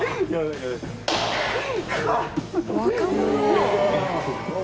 若者！